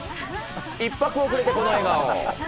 一拍遅れてこの笑顔。